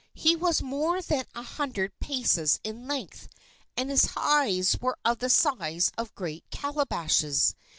He was more than a hundred paces in length, and his eyes were of the size of great calabashes.